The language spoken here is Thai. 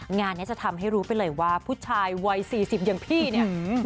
งานนี้จะทำให้รู้ไปเลยว่าผู้ชายวัย๔๐อย่างพี่เนี่ย